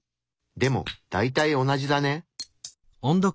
でも大体同じだね。